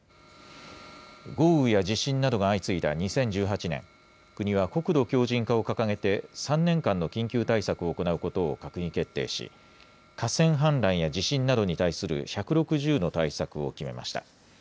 豪雨や地震などが相次いだ２０１８年、国は国土強じん化を掲げて３年間の緊急対策を行うことを閣議決定し、河川氾濫や地震などに対する１６０の対策を決めました。